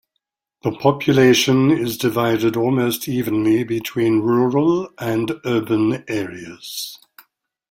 The population is divided almost evenly between rural and urban areas.